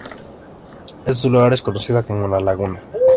Este lugar es conocido como ""La Laguna"".